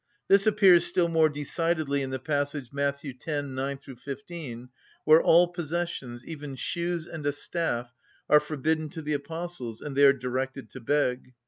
This appears still more decidedly in the passage Matt. x. 9‐15, where all possessions, even shoes and a staff, are forbidden to the Apostles, and they are directed to beg.